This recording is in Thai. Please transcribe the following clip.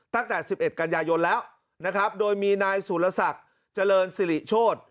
ตั้งแต่๑๑กันยายนแล้วนะครับโดยมีนายสุรศักดิ์เจริญสิริโชธ